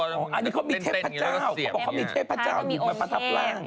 อันนี้เขามีเทพเจ้าเขาบอกเขามีเทพเจ้ามาประทับร่าง